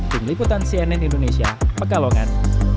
tim liputan cnn indonesia pekalongan